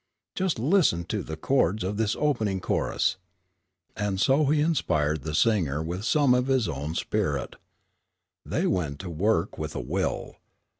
Just listen to the chords of this opening chorus." And so he inspired the singer with some of his own spirit. They went to work with a will.